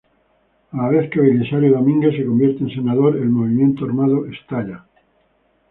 A la vez que Belisario Domínguez se convierte en senador, el movimiento armado estalla.